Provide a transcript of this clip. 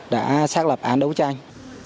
đã xác lập án đấu tranh